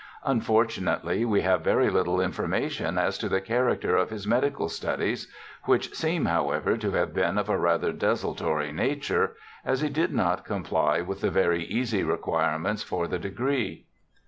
Unfortunately we have very little information as to the character of his medical studies, which seem, however, to have been of a rather desultory nature, as he did not comply with the very easy requirements for the degree.